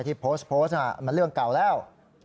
ที่โพสต์โพสต์มันเรื่องเก่าแล้ว